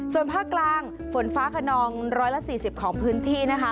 ส่วนภาคกลางฝนฟ้าขนอง๑๔๐ของพื้นที่นะคะ